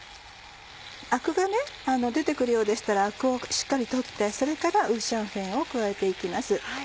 アクが出て来るようでしたらアクをしっかり取ってそれから五香粉を加えて行きます。